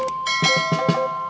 ambil tikar gini